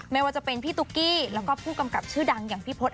ไม่ว่าจะเป็นพี่ตุ๊กกี้แล้วก็ผู้กำกับชื่อดัง